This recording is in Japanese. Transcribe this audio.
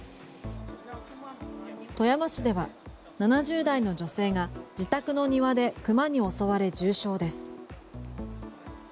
富山市では７０代の女性が自宅の庭で熊に襲われ重傷です。